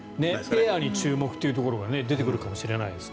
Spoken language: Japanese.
ペアに注目というところが出てくるかもしれないですね。